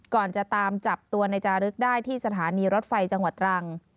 ก่อนจะตามจับตัวในจารึกได้ที่สถานีรถไฟจังหวัดตรัง